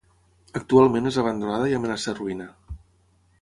Actualment és abandonada i amenaça ruïna.